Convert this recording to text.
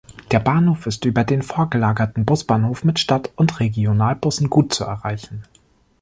Der Bahnhof ist über den vorgelagerten Busbahnhof mit Stadt- und Regionalbussen gut zu erreichen.